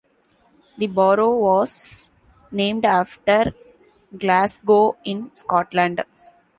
The borough was named after Glasgow, in Scotland.